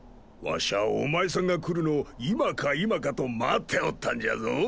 わしゃお前さんが来るのを今か今かと待っておったんじゃぞ。